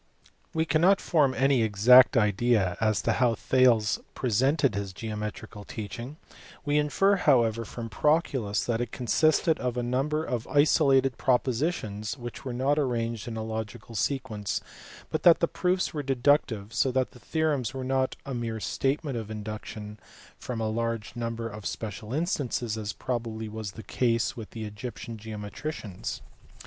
We cannot form any exact idea as to how Thales presented his geometrical teaching : we infer however from Proclus that it consisted of a number of isolated propositions which were not arranged in a logical sequence, but that the proofs were deductive, so that the theorems were not a mere statement of an induction from a large number of special instances, as probably was the case with the Egyptian geometricians.